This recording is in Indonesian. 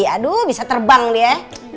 aduh bisa terbang dia